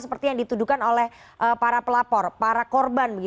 seperti yang dituduhkan oleh para pelapor para korban